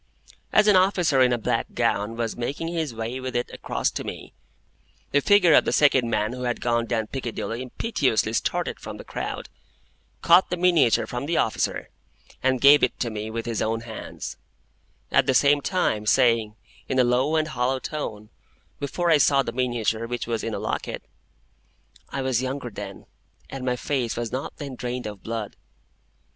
As an officer in a black gown was making his way with it across to me, the figure of the second man who had gone down Piccadilly impetuously started from the crowd, caught the miniature from the officer, and gave it to me with his own hands, at the same time saying, in a low and hollow tone,—before I saw the miniature, which was in a locket,—"I was younger then, and my face was not then drained of blood."